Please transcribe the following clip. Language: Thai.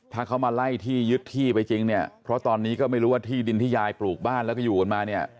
ถ้าเขามาไล่ที่ยึดที่ไปจริงเนี่ยเพราะตอนนี้ก็ไม่รู้ว่าที่ดินที่ยายปลูกบ้านแล้วก็อยู่กันมาเนี่ย